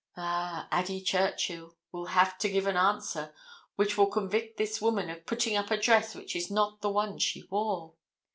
Ah, Addie Churchill will have to give an answer which will convict this woman of putting up a dress which is not the one she wore.